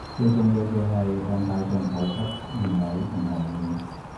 最重要嘅係向大衆普及原理同概念